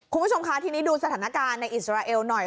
คุณผู้ชมคะทีนี้ดูสถานการณ์ในอิสราเอลหน่อย